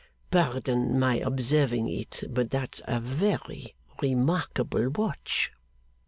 Pardon my observing it, but that's a very remarkable watch!